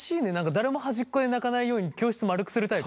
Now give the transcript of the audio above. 誰も端っこで泣かないように教室丸くするタイプ？